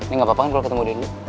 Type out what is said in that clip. ini gak apa apa kan kalau ketemu dulu